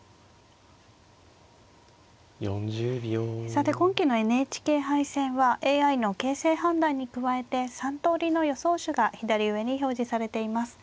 さて今期のＮＨＫ杯戦はＡＩの形勢判断に加えて３通りの予想手が左上に表示されています。